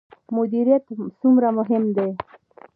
مدیریت څومره مهم دی؟